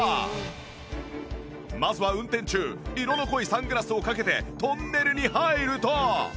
まずは運転中色の濃いサングラスをかけてトンネルに入ると